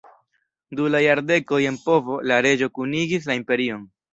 Du la jardekoj en povo, la reĝo kunigis la imperion.